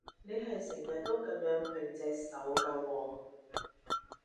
你係成日都會噉樣揈隻手㗎喎